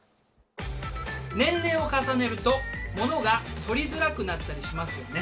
年齢を重ねるとものが取りづらくなったりしますよね。